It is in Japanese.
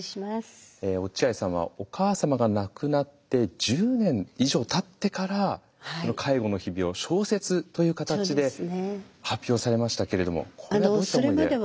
落合さんはお母様が亡くなって１０年以上たってから介護の日々を小説という形で発表されましたけれどもこれはどういった思いで？